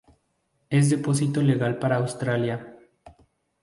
Es depósito legal para Australia.